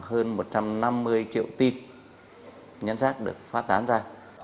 hơn một trăm năm mươi triệu tin nhắn rác được phát tán ra